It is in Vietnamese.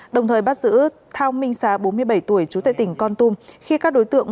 đồng thời bắt giữ thao minh sá bốn mươi bảy tuổi trú tại tỉnh con tum khi các đối tượng